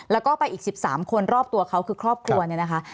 แล้วก็ไปอีก๑๓คนรอบตัวเขาคือครอบครัวเนี่ยนะคะ